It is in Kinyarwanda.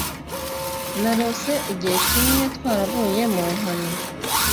narose igihe kimwe twaravuye munkoni